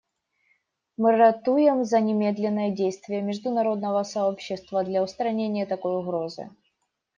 Мы ратуем за немедленные действия международного сообщества для устранения такой угрозы.